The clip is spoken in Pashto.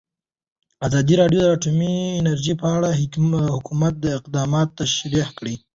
ازادي راډیو د اټومي انرژي په اړه د حکومت اقدامات تشریح کړي.